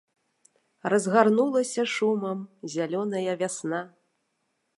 Разгарнулася шумам зялёная вясна.